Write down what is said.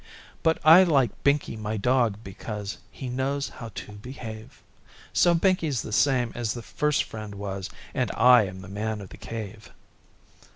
But I like Binkie my dog, because He Lnows how to behave; So, Binkie's the same as the First Friend was, And I am the Man in the Cave.